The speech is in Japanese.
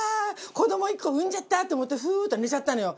子ども産んじゃった！と思ってふっと寝ちゃったのよ。